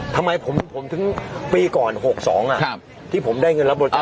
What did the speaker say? ทำไมผมผมถึงปีก่อนหกสองอ่ะครับที่ผมได้เงินรับบริจาค